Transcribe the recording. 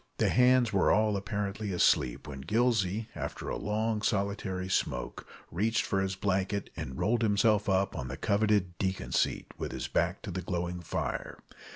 The hands were all apparently asleep when Gillsey, after a long solitary smoke, reached for his blanket, and rolled himself up on the coveted "deacon seat," with his back to the glowing fire.